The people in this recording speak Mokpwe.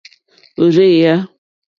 Òrzèèyá.